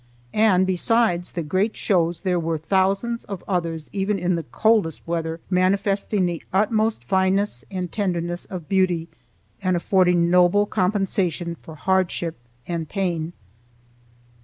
And besides the great shows there were thousands of others even in the coldest weather manifesting the utmost fineness and tenderness of beauty and affording noble compensation for hardship and pain.